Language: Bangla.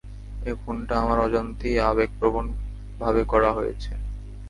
এই খুনটা আমার অজান্তেই আবেগপ্রবণ ভাবে করা হয়েছে।